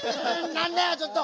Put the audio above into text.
なんだよちょっと！